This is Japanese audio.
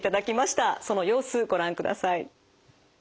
その様子ご覧ください。